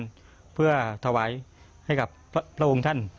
สร้างงานเพื่อถวายให้กับพระองค์ท่าน